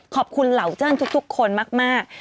ขอบคุณเหล่าจ้นทุกคนมาก